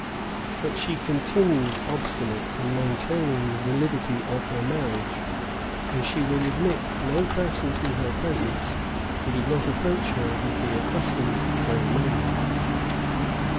But she continued obstinate in maintaining the validity of her marriage; and she would admit no person to her presence who did not approach her with the accustomed ceremonial.